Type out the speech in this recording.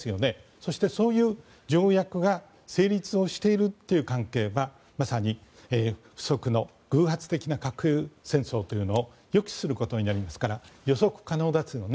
そして、そういう条約が成立しているという関係はまさに不測の偶発的な核戦争を抑止することになりますので予測可能ですよね。